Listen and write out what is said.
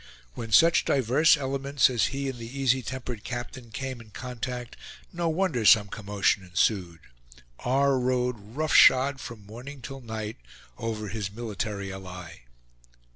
When such diverse elements as he and the easy tempered captain came in contact, no wonder some commotion ensued; R. rode roughshod, from morning till night, over his military ally.